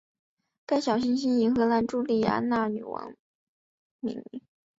该小行星以荷兰朱丽安娜女王命名。